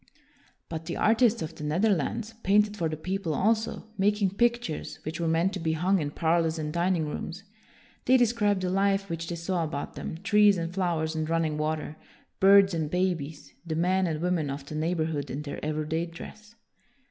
But the artists of the Netherlands painted for the people also, making pictures which were meant to be hung in parlors and dining rooms. They described the life which they saw about them, trees and flowers and running water, birds and babies, the men and women of the neigh borhood in their everyday dress.